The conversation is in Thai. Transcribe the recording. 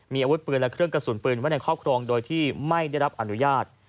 มีอาวุธปืนและเครื่องกระสุนปืนไว้ในครอบครองโดยที่ไม่ได้รับอนุญาต